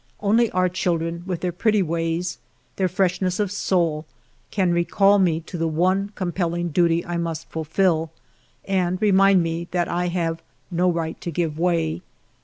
Only our children, with their pretty ways, their freshness of soul, can recall me to the one compelling duty I must fulfil, and re mind me that I have no right to give way.